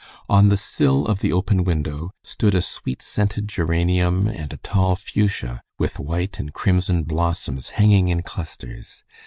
On the sill of the open window stood a sweet scented geranium and a tall fuschia with white and crimson blossoms hanging in clusters.